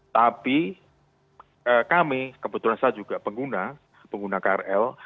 tapi kami kebetulan saya juga pengguna pengguna krl